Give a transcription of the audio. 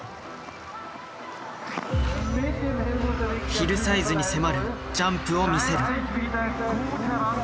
ヒルサイズに迫るジャンプを見せる。